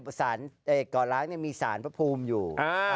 เกาะร้างก็มีสารภูมิอยู่